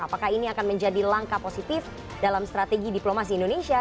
apakah ini akan menjadi langkah positif dalam strategi diplomasi indonesia